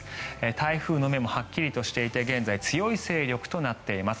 台風の目もはっきりとしていて現在、強い勢力となっています。